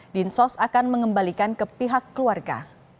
dinsos akan mengembalikan ke pihak keluarga